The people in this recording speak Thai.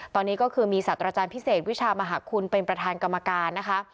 ตอนนี้ก็คือมีสัตว์อาจารย์พิเศษวิชามหาคุณเป็นประธานกรรมการนะคะ